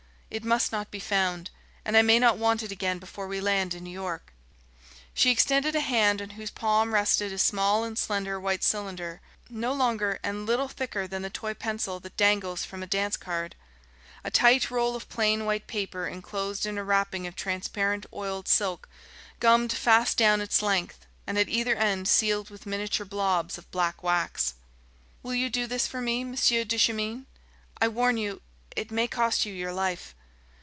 It must not be found. And I may not want it again before we land in New York." She extended a hand on whose palm rested a small and slender white cylinder, no longer and little thicker than the toy pencil that dangles from a dance card: a tight roll of plain white paper enclosed in a wrapping of transparent oiled silk, gummed fast down its length and, at either end, sealed with miniature blobs of black wax. "Will you do this for me, Monsieur Duchemin? I warn you, it may cost you your life."